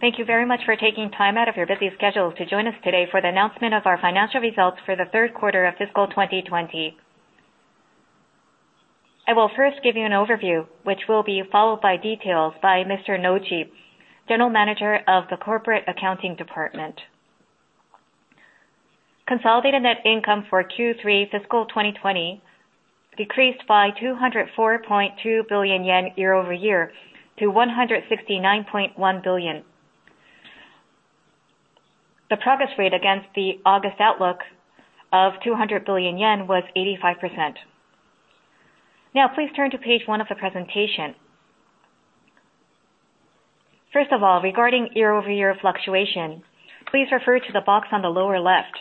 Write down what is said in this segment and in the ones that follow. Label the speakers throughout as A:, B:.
A: Thank you very much for taking time out of your busy schedule to join us today for the announcement of our financial results for the third quarter of fiscal 2020. I will first give you an overview, which will be followed by details by Mr. Nouchi, General Manager of the Corporate Accounting Department. Consolidated net income for Q3 fiscal 2020 decreased by 204.2 billion yen year-over-year to 169.1 billion. The progress rate against the August outlook of 200 billion yen was 85%. Now, please turn to page one of the presentation. First of all, regarding year-over-year fluctuation, please refer to the box on the lower left.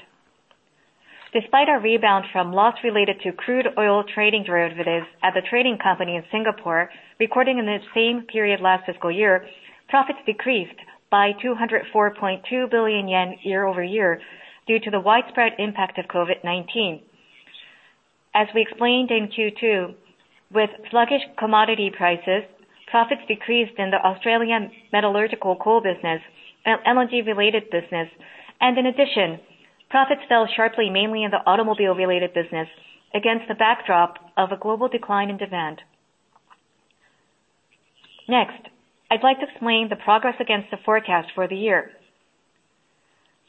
A: Despite our rebound from loss related to crude oil trading derivatives at the trading company in Singapore, recording in the same period last fiscal year, profits decreased by 204.2 billion yen year-over-year due to the widespread impact of COVID-19. As we explained in Q2, with sluggish commodity prices, profits decreased in the Australian metallurgical coal business and LNG-related business. In addition, profits fell sharply, mainly in the automobile-related business, against the backdrop of a global decline in demand. Next, I'd like to explain the progress against the forecast for the year.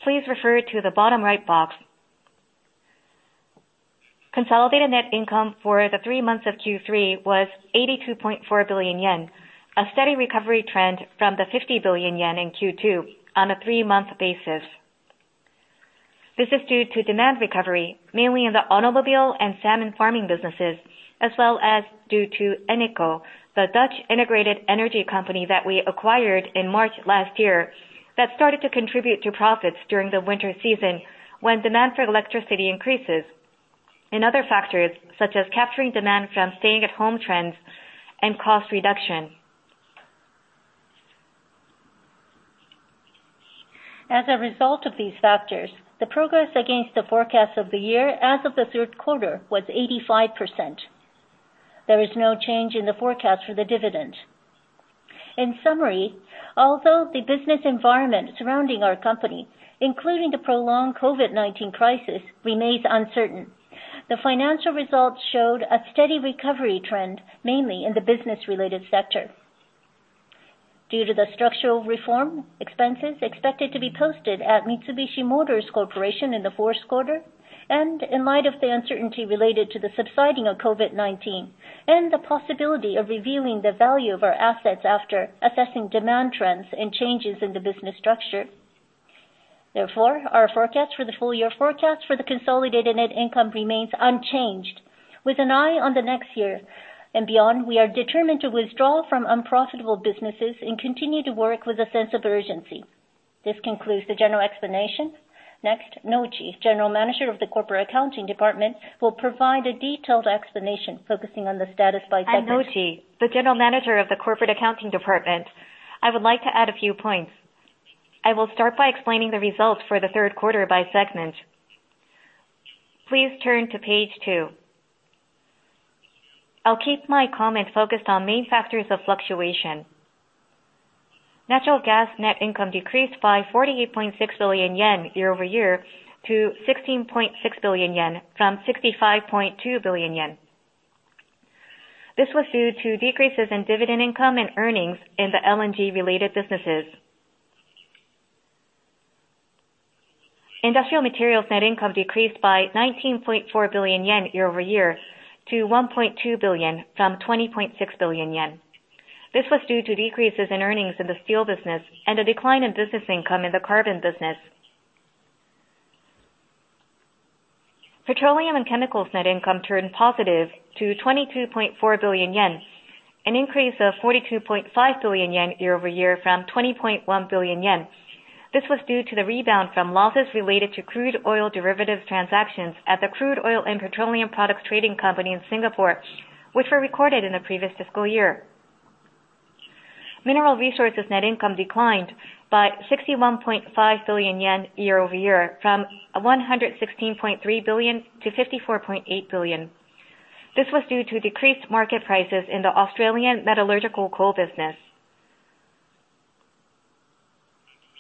A: Please refer to the bottom right box. Consolidated net income for the three months of Q3 was 82.4 billion yen, a steady recovery trend from the 50 billion yen in Q2 on a three-month basis. This is due to demand recovery, mainly in the automobile and salmon farming businesses, as well as due to Eneco, the Dutch integrated energy company that we acquired in March last year that started to contribute to profits during the winter season when demand for electricity increases, and other factors such as capturing demand from staying-at-home trends and cost reduction. As a result of these factors, the progress against the forecast of the year as of the third quarter was 85%. There is no change in the forecast for the dividend. In summary, although the business environment surrounding our company, including the prolonged COVID-19 crisis, remains uncertain, the financial results showed a steady recovery trend, mainly in the business-related sector. Due to the structural reform expenses expected to be posted at Mitsubishi Motors Corporation in the fourth quarter, and in light of the uncertainty related to the subsiding of COVID-19 and the possibility of revealing the value of our assets after assessing demand trends and changes in the business structure, our forecast for the full-year forecast for the consolidated net income remains unchanged. With an eye on the next year and beyond, we are determined to withdraw from unprofitable businesses and continue to work with a sense of urgency. This concludes the general explanation. Next, Nouchi, General Manager of the Corporate Accounting Department, will provide a detailed explanation focusing on the status by segment.
B: I'm Nouchi, the General Manager of the Corporate Accounting Department. I would like to add a few points. I will start by explaining the results for the third quarter by segment. Please turn to page two. I'll keep my comment focused on main factors of fluctuation. Natural gas net income decreased by 48.6 billion yen year-over-year to 16.6 billion yen from 65.2 billion yen. This was due to decreases in dividend income and earnings in the LNG-related businesses. Industrial materials net income decreased by 19.4 billion yen year-over-year to 1.2 billion from 20.6 billion yen. This was due to decreases in earnings in the steel business and a decline in business income in the carbon business. Petroleum and chemicals net income turned positive to 22.4 billion yen, an increase of 42.5 billion yen year-over-year from 20.1 billion yen. This was due to the rebound from losses related to crude oil derivatives transactions at the crude oil and petroleum products trading company in Singapore, which were recorded in the previous fiscal year. Mineral resources net income declined by 61.5 billion yen year-over-year from 116.3 billion to 54.8 billion. This was due to decreased market prices in the Australian metallurgical coal business.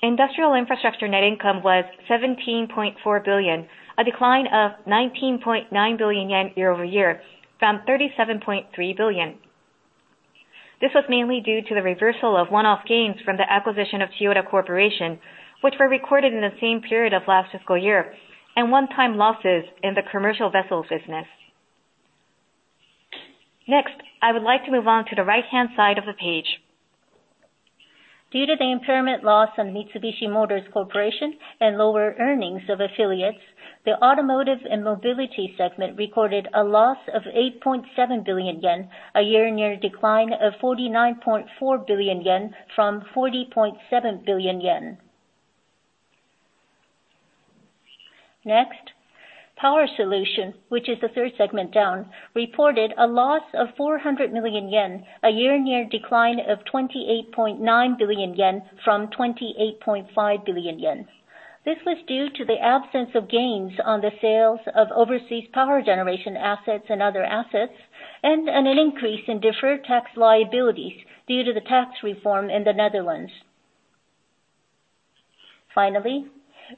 B: Industrial infrastructure net income was 17.4 billion, a decline of 19.9 billion yen year-over-year from 37.3 billion. This was mainly due to the reversal of one-off gains from the acquisition of Chiyoda Corporation, which were recorded in the same period of last fiscal year, and one-time losses in the commercial vessels business. Next, I would like to move on to the right-hand side of the page. Due to the impairment loss on Mitsubishi Motors Corporation and lower earnings of affiliates, the automotive and mobility segment recorded a loss of 8.7 billion yen, a year-on-year decline of 49.4 billion yen from 40.7 billion yen. Next, power solution, which is the third segment down, reported a loss of 400 million yen, a year-on-year decline of 28.9 billion yen from 28.5 billion yen. This was due to the absence of gains on the sales of overseas power generation assets and other assets, and an increase in deferred tax liabilities due to the tax reform in the Netherlands. Finally,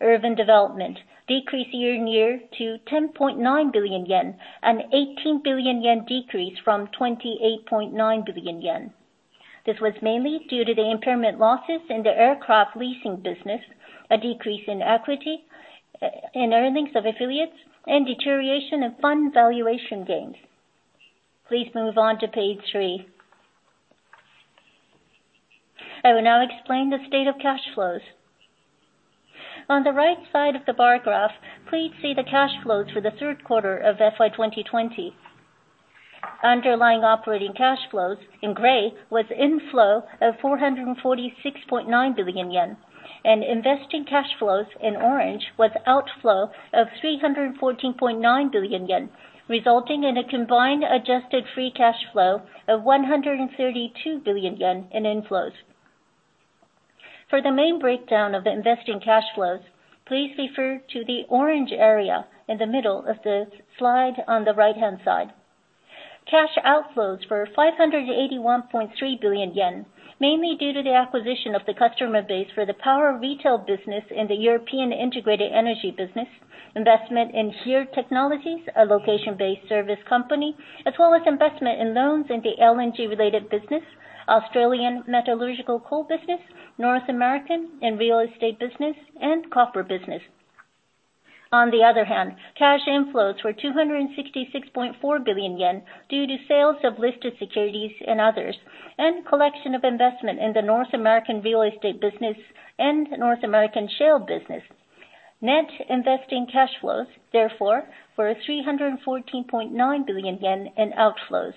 B: urban development decreased year-on-year to 10.9 billion yen, an 18 billion yen decrease from 28.9 billion yen. This was mainly due to the impairment losses in the aircraft leasing business, a decrease in equity in earnings of affiliates, and deterioration of fund valuation gains. Please move on to page three. I will now explain the state of cash flows. On the right side of the bar graph, please see the cash flows for the third quarter of FY 2020. Underlying operating cash flows in gray was inflow of 446.9 billion yen, and investing cash flows in orange was outflow of 314.9 billion yen, resulting in a combined adjusted free cash flow of 132 billion yen in inflows. For the main breakdown of the investing cash flows, please refer to the orange area in the middle of the slide on the right-hand side. Cash outflows were 581.3 billion yen, mainly due to the acquisition of the customer base for the power retail business in the European integrated energy business, investment in HERE Technologies, a location-based service company, as well as investment in loans in the LNG-related business, Australian metallurgical coal business, North American and real estate business, and copper business. On the other hand, cash inflows were 266.4 billion yen due to sales of listed securities in others, and collection of investment in the North American real estate business and North American shale business. Net investing cash flows, therefore, were 314.9 billion yen in outflows.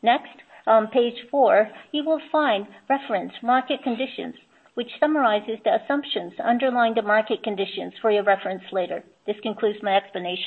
B: Next, on page four, you will find reference market conditions, which summarizes the assumptions underlying the market conditions for your reference later. This concludes my explanation.